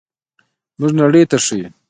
موږ نړۍ ته ښیو.